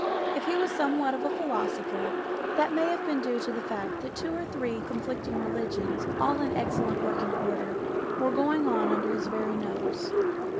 If he was somewhat of a philosopher, that may have been due to the fact that two or three conflicting religions, all in excellent working order, were going on under his very nose.